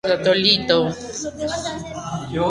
Su madre es de descendencia francesa y siciliana.